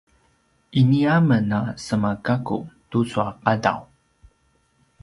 ini a men a sema gaku tucu a qadaw